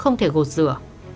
không thể gột rửa